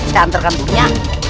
saya anterkan dirinya